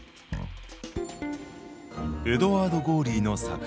エドワード・ゴーリーの作品。